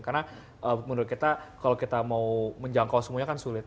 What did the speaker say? karena menurut kita kalau kita mau menjangkau semuanya kan sulit